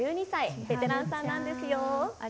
ベテランさんなんですよ。